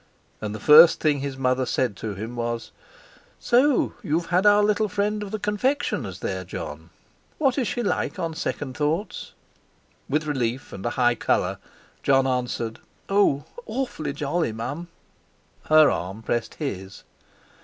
And the first thing his mother said to him was: "So you've had our little friend of the confectioner's there, Jon. What is she like on second thoughts?" With relief, and a high colour, Jon answered: "Oh! awfully jolly, Mum." Her arm pressed his.